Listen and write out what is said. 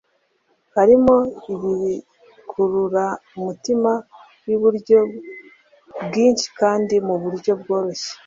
harimo ibikurura umutima by'uburyo bwinshi kandi mu buryo bworoshye